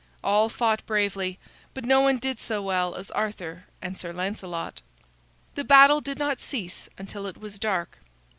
All fought bravely, but no one did so well as Arthur and Sir Lancelot. The battle did not cease until it was dark.